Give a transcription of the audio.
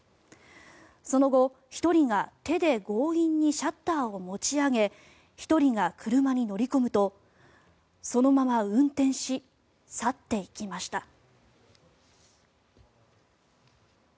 その後、１人が手で強引にシャッターを持ち上げ１人が車に乗り込むとそのまま運転し去っていきました。